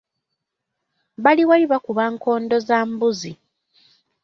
Bali wali bakuba nkondo za mbuzi.